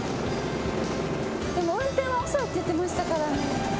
でも運転は遅いって言ってましたからね。